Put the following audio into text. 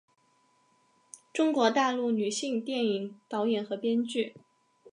中国大陆女性电影导演和编剧。